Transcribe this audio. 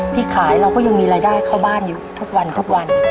ที่ขายเราก็ยังมีรายได้เข้าบ้านอยู่ทุกวันทุกวัน